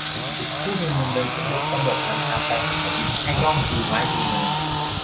ผู้ชุมนุมเดินขึ้นรถ ตำรวจนำทางไป หันมายิ้มให้กล้องชูไม้ชูมือ